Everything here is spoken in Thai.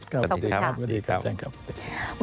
ขอบคุณค่ะสวัสดีครับ